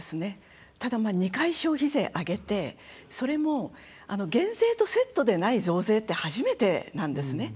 ただ、２回消費税上げてそれも減税とセットでない増税って初めてなんですね。